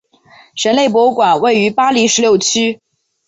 人类博物馆位于巴黎十六区。